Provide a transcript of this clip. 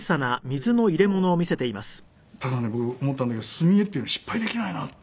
ただね僕思ったんだけど墨絵っていうの失敗できないなって。